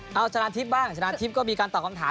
เอาชนะทิพย์บ้างชนะทิพย์ก็มีการตอบคำถาม